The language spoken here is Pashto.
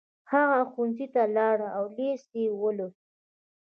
هغه ښوونځي ته لاړ او لېسه يې ولوسته.